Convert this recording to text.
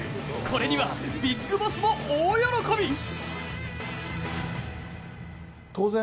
これにはビッグボスも大喜び。